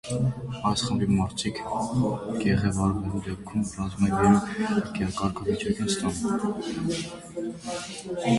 Այս խմբի մարդիկ գեղեվարվելու դեպքում ռազմագերու կարգավիճակ չեն ստանում։